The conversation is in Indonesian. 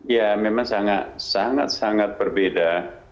ya memang sangat sangat berbeda